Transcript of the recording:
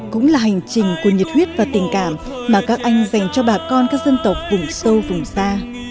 cũng là hành trình của nhiệt huyết và tình cảm mà các anh dành cho bà con các dân tộc vùng sâu vùng xa